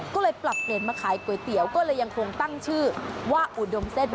ก็เลยปรับเปลี่ยนมาขายก๋วยเตี๋ยวก็เลยยังคงตั้งชื่อว่าอุดมเส้น